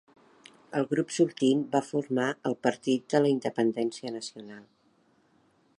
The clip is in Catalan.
El grup sortint va formar el Partit de la Independència Nacional.